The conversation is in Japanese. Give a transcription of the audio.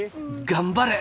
頑張れ！